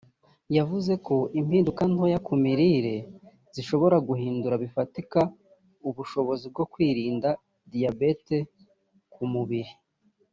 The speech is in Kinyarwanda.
yavuze ko impinduka ntoya ku mirire zishobora guhindura bifatika ubushobozi bwo kwirinda diyabete k’umubiri